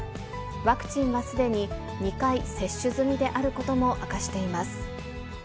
ワクチンはすでに２回接種済みであることも明かしています。